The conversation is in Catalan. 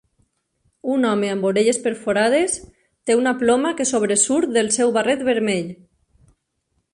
Un home amb orelles perforades té una ploma que sobresurt del seu barret vermell.